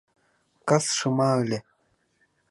Кас шыма ыле.